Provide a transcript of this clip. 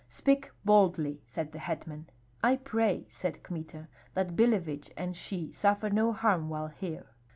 "Speak boldly," said the hetman. "I pray," said Kmita, "that Billevich and she suffer no harm while here."